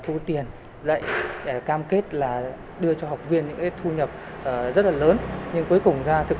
thu tiền dạy cam kết là đưa cho học viên những cái thu nhập rất là lớn nhưng cuối cùng ra thực